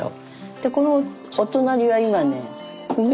でこのお隣は今ね